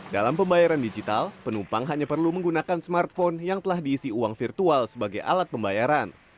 dalam pembayaran digital penumpang hanya perlu menggunakan smartphone yang telah diisi uang virtual sebagai alat pembayaran